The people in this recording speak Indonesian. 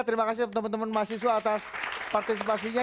terima kasih teman teman mahasiswa atas partisipasinya